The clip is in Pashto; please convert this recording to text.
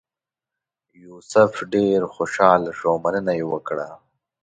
یوسف ډېر خوشاله شو او مننه یې وکړه.